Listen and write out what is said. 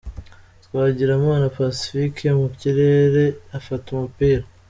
Twagirimana Pacifique mu kirere afata umupira .